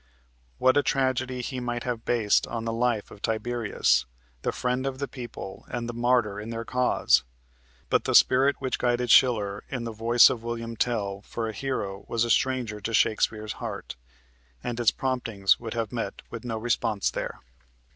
What a tragedy he might have based on the life of Tiberius, the friend of the people and the martyr in their cause! But the spirit which guided Schiller in the choice of William Tell for a hero was a stranger to Shakespeare's heart, and its promptings would have met with no response there.